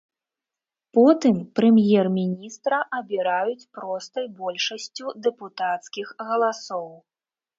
Потым прэм'ер-міністра абіраюць простай большасцю дэпутацкіх галасоў.